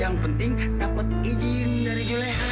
yang penting dapat izin dari juleha